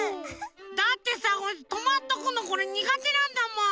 だってさとまっとくのこれにがてなんだもん！